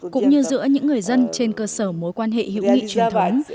cũng như giữa những người dân trên cơ sở mối quan hệ hữu nghị truyền thống